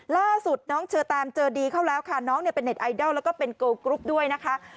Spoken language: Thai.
ล่าสุดน้องเชอตามเจอดีเขาแล้วค่ะเนาะเนี่ยเป็นเนทไอดอลและก็เป็นเกิ้ลกรุ๊ปด้วยนะครับ